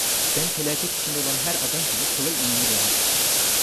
Ben, felaket içinde olan her adam gibi, kolay inanır olmuştum.